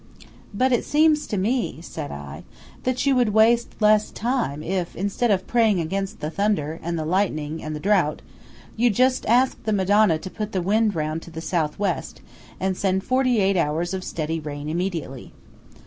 "But it seems to me," said I, "that you would waste less time if, instead of praying against the thunder, and the lightning, and the drought, you just asked the Madonna to put the wind round to the South west and send forty eight hours of steady rain immediately."